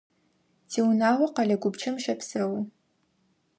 Тиунагъо къэлэ гупчэм щэпсэу.